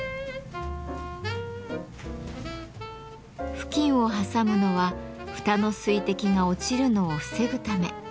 布巾を挟むのは蓋の水滴が落ちるのを防ぐため。